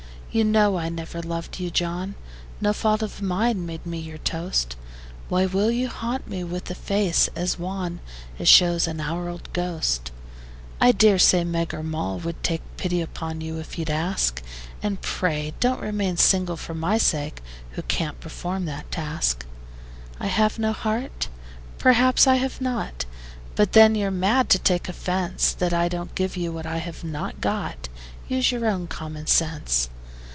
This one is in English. You know I never loved you, John; No fault of mine made me your toast: Why will you haunt me with a face as wan As shows an hour old ghost? I dare say Meg or Moll would take Pity upon you, if you'd ask: And pray don't remain single for my sake Who can't perform that task. I have no heart? Perhaps I have not; But then you're mad to take offence That I don't give you what I have not got: Use your own common sense.